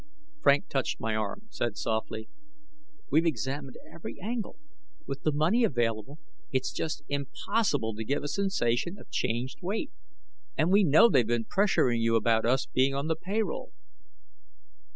Frank touched my arm, said softly, "We've examined every angle. With the money available, it's just impossible to give a sensation of changed weight. And we know they've been pressuring you about us being on the payroll."